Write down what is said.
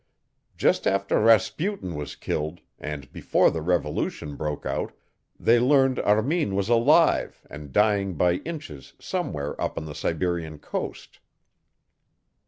Just after Rasputin was killed, and before the Revolution broke out, they learned Armin was alive and dying by inches somewhere up on the Siberian coast.